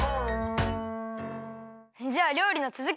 じゃありょうりのつづき！